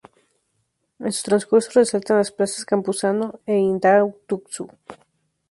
En su transcurso resaltan las plazas Campuzano e Indautxu.